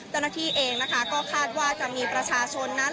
เจ้าหน้าที่เองนะคะก็คาดว่าจะมีประชาชนนั้น